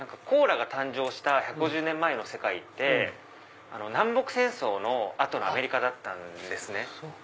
コーラが誕生した１５０年前の世界って南北戦争の後のアメリカだったんですね。